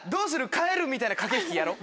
変える？みたいな駆け引きやろう。